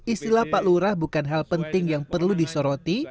istilah pak lurah bukan hal penting yang perlu disoroti